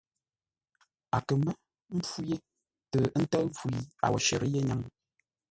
A kə mə́ mpfú yé tə ə́ tə̂ʉ mpfu yi a wo shərə́ yé ńnyáŋ.